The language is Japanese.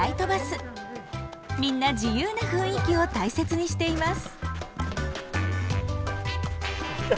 みんな自由な雰囲気を大切にしています。